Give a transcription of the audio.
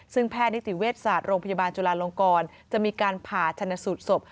ซึ่งแพทย์นิติเวชศาสตร์โรงพยาบาลจุลาลงกรจะมีการผ่าชนสูตรศพ